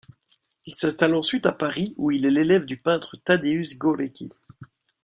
Il s'installe ensuite à Paris où il est l'élève du peintre Tadeusz Górecki.